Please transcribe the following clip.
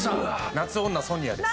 『夏女ソニア』です。